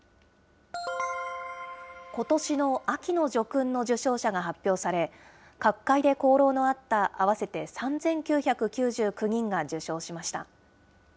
ことしの秋の叙勲の受章者が発表され、各界で功労のあった、合わせて３９９９人が受章しました。